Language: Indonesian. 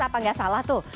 apa gak salah tuh